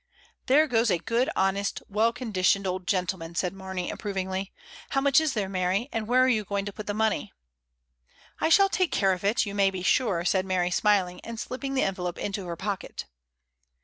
"There goes a good, honest, well conditioned old gentleman," said Marney, approvingly. "How much is there, Mary, and where are you going to put the money?" "I shall take care of it, you may be sure," said Mary, smOing, and slipping the envelope into her pocket.